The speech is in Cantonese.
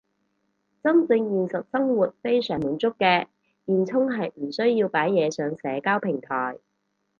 真正現實生活非常滿足嘅現充係唔需要擺嘢上社交平台